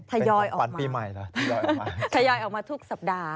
ทยอยออกมาทยอยออกมาทุกสัปดาห์